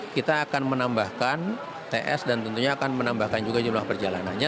kita akan menambahkan ts dan tentunya akan menambahkan juga jumlah perjalanannya